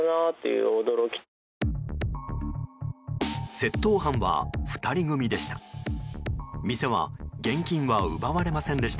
窃盗犯は２人組でした。